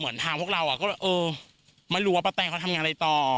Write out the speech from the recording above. ทางพวกเราก็แบบเออไม่รู้ว่าป้าแตงเขาทำงานอะไรต่อ